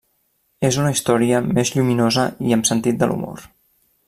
És una història més lluminosa i amb sentit de l'humor.